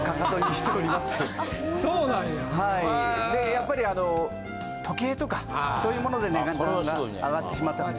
やっぱり時計とかそういうもので値段が上がってしまったかも。